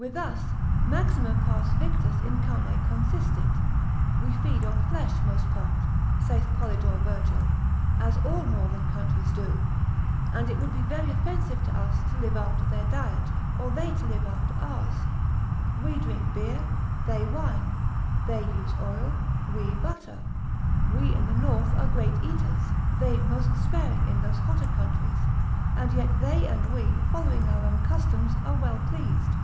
With us, Maxima pars victus in carne consistit, we feed on flesh most part, saith Polydore Virgil, as all northern countries do; and it would be very offensive to us to live after their diet, or they to live after ours. We drink beer, they wine; they use oil, we butter; we in the north are great eaters; they most sparing in those hotter countries; and yet they and we following our own customs are well pleased.